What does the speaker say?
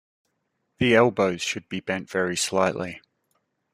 The elbows should be bent very slightly.